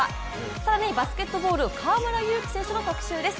更にバスケットボール、河村勇輝選手の特集です。